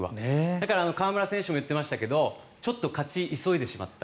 だから河村選手も言ってましたがちょっと勝ち急いでしまった。